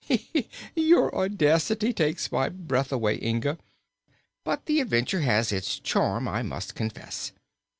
"Your audacity takes my breath away, Inga, but the adventure has its charm, I must, confess.